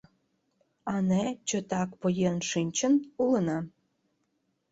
— Ане, чотак поен шинчын улына.